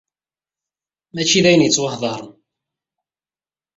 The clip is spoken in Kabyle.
Mačči d ayen yettwahdaren.